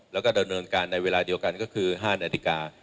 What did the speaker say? แล้วก็ดำเนินการในเวลาเดียวกันก็คือ๕นาฬิกา